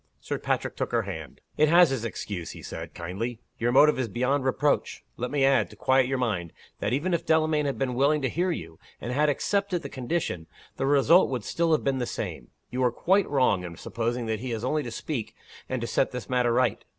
Sir Patrick took her hand. "It has its excuse," he said, kindly. "Your motive is beyond reproach. Let me add to quiet your mind that, even if Delamayn had been willing to hear you, and had accepted the condition, the result would still have been the same. You are quite wrong in supposing that he has only to speak, and to set this matter right.